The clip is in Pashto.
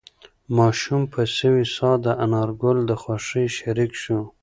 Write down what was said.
ماشوم په سوې ساه د انارګل د خوښۍ شریک شو.